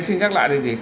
xin nhắc lại là